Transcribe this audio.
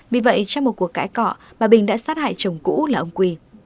vì vậy trong một cuộc cãi cọ bà bình đã sát hại chồng cũ là ông h q